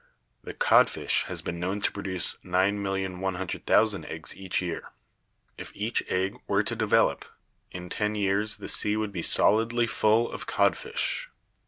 The codfish has been known to produce 9,100,000 eggs each year. If each egg were to develop, in ten years the sea would be solidly full of codfish.